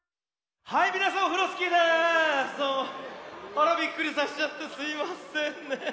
あらびっくりさせちゃってすいませんね。